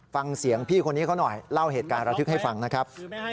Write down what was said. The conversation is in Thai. ฟังเสียงพี่คนนี้เขาหน่อยเล่าเหตุการณ์ระทึกให้ฟังนะครับ